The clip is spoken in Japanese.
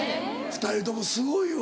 ２人ともすごいわ。